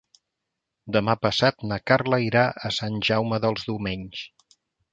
Demà passat na Carla irà a Sant Jaume dels Domenys.